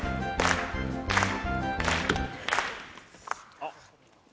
あっ。